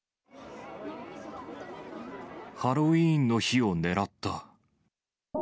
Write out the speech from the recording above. ハロウィーンの日を狙った。